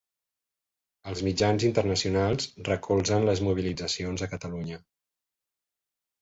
Els mitjans internacionals recolzen les mobilitzacions a Catalunya